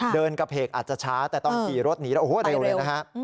เดินกระเพกอาจจะช้าแต่ตอนขี่รถหนีแล้วโอ้โหเร็วเลยนะฮะ